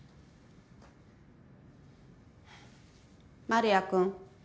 丸谷くん。